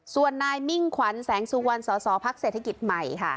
ส่วนนายมิ่งขวัญแสงสุวรรณสสพักเศรษฐกิจใหม่ค่ะ